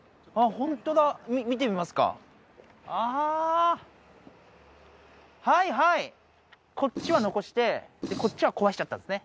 ホントだ見てみますかああはいはいこっちは残してこっちは壊しちゃったんですね